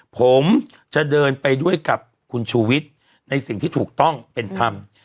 ผมจะเดินไปด้วยกับคุณชูวิทย์ในสิ่งที่ถูกต้องเป็นธรรม